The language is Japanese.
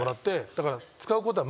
だから。